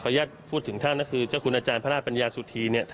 คนแองพูดถึงท่านคือเจ้าคุณอาจารย์พระธรรมปัญญาสุถีเนี่ย